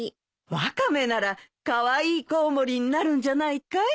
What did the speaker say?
ワカメならカワイイコウモリになるんじゃないかい？